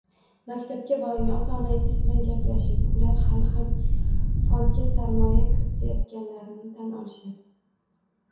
Maktabga boring, ota -onangiz bilan gaplashing, ular hali ham fondga "sarmoya" kiritayotganlarini tan olishadi